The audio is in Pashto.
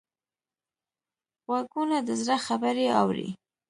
غوږونه د زړه خبرې اوري